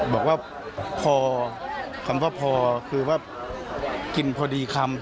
บอกว่าพอคำว่าพอคือว่ากินพอดีคำ